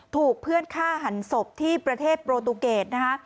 ถูกเพื่อนฆ่าหันศพที่ประเทศโปรตูเกตนะคะ